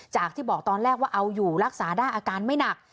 ที่บอกตอนแรกว่าเอาอยู่รักษาได้อาการไม่หนัก